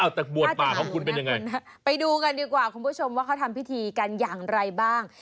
แต่บวชป่าของคุณเป็นยังไงไปดูกันดีกว่าคุณผู้ชมว่าเขาทำพิธีกันอย่างไรบ้าง